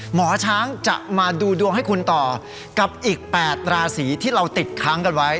หมอช้างจะมาดูดวงให้คุณต่อกับอีก๘ราศีที่เราติดค้างกันไว้